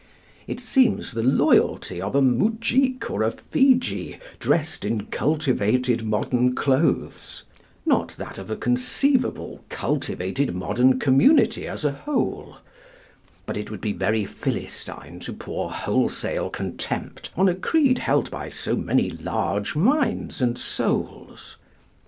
It seems the loyalty of a mujik or a Fiji dressed in cultivated modern clothes, not that of a conceivable cultivated modern community as a whole; but it would be very Philistine to pour wholesale contempt on a creed held by so many large minds and souls.